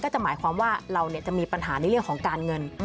จะหมายความว่าเราจะมีปัญหาในเรื่องของการเงิน